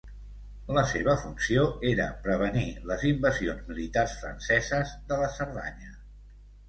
La seva funció era prevenir les invasions militars franceses de la Cerdanya.